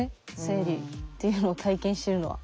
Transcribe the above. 生理っていうのを体験してるのは。